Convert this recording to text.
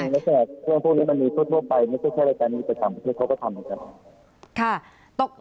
และแสดงเครื่องพวกนี้มันมีทดทวดไปไม่ใช่แค่รายการมีประจำที่เค้าก็ทำนะครับ